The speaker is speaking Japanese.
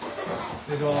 失礼します。